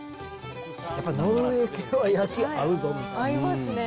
やっぱりノルウェー系は焼き合うぞみたいな。